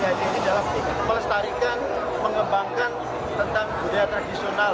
adik adik ini dalam melestarikan mengembangkan tentang budaya tradisional